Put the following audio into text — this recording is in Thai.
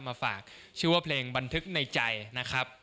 มาฝากชื่อว่าเพลงบันทึกในใจนะครับ